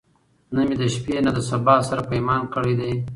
نه می له شپې نه له سبا سره پیمان کړی دی